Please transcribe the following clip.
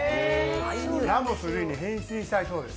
ラモス瑠偉に変身しちゃいそうです。